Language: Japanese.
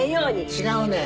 違うねん。